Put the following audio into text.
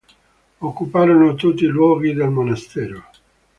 Occuparono tutti i luoghi del monastero.